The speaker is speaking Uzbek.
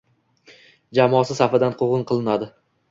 jamoasi safidan quvg‘in qilinadi.